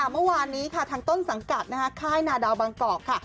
เมื่อวานนี้ค่ะทางต้นสังกัดค่ายนาดาวบางกอกค่ะ